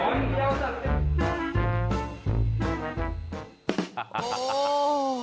โอ้โห